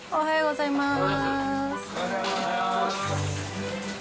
おはようございます。